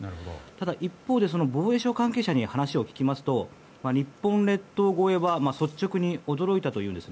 ただ、一方で防衛省関係者に話を聞きますと日本列島越えは率直に驚いたという。